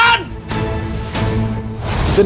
เฮ้ยทำอะไรกัน